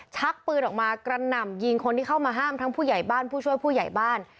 ชักปืนออกมากระหน่ำยิงคนที่เข้ามาห้ามทั้งผู้ใหญ่บ้านผู้ช่วยผู้ใหญ่บ้าน